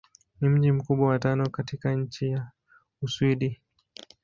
Ni mji mkubwa wa tano katika nchi wa Uswidi.